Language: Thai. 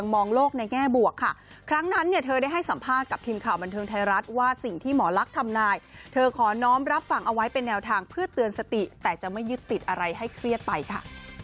มีความสติแต่จะไม่ยึดติดอะไรให้เครียดไปค่ะ